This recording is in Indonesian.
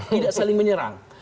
tidak saling menyerang